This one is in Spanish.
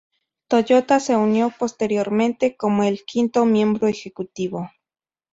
Toyota se unió posteriormente como el quinto miembro ejecutivo.